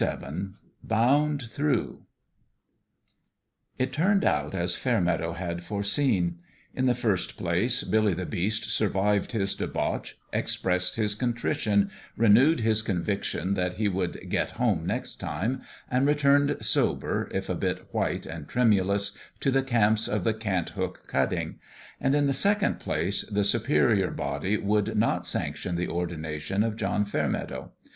XXVII BOUND THROUGH IT turned out as Fairmeadow had foreseen. In the first place, Billy the Beast survived his debauch, expressed his contrition, re newed his conviction that he would " get home " next time, and returned sober, if a bit white and tremulous, to the camps of the Cant hook cutting ; and in the second place, the Superior Body would not sanction the ordination of John Fair meadow.